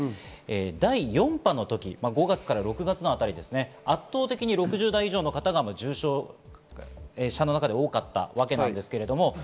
第４波の時、５月６月のあたり、圧倒的に６０代以上の方が重症者の中で多かったわけです。